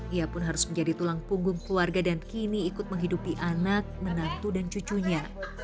ia pun harus menjadi tulang punggung keluarga dan kini ikut menghidupi anak menantu dan cucunya